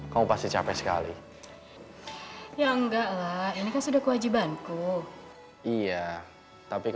pak pak pak itu malingnya pak